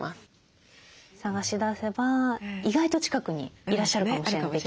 探し出せば意外と近くにいらっしゃるかもしれない。